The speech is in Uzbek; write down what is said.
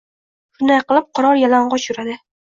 Shunday qilib, qirol yalang‘och yuradi